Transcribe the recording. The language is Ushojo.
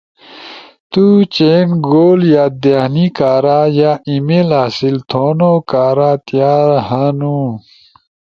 تو چئین گول یادہانی کارا ای میل حاصل تھونو کارا تیار ہنو،